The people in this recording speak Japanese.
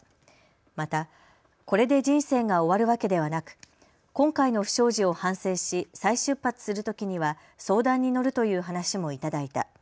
またこれで人生が終わるわけではなく今回の不祥事を反省し再出発するときには相談に乗るという話もいただいた。